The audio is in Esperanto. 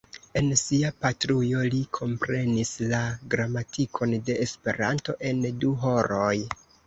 En sia patrujo li komprenis la gramatikon de Esperanto en du horoj.